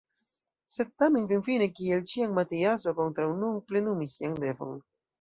Sed tamen finfine kiel ĉiam Matiaso kontraŭ nun plenumis sian devon.